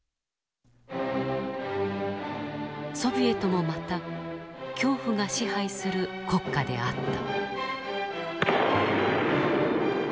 ソビエトもまた恐怖が支配する国家であった。